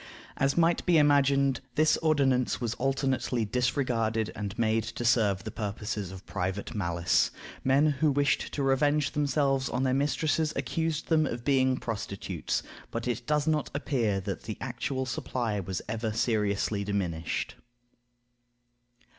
As might be imagined, this ordinance was alternately disregarded and made to serve the purposes of private malice. Men who wished to revenge themselves on their mistresses accused them of being prostitutes; but it does not appear that the actual supply was ever seriously diminished.